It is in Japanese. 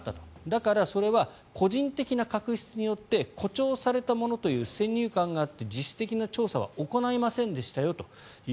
だから、それは個人的な確執によって誇張されたものという先入観があって実質的な調査は行いませんでしたよと。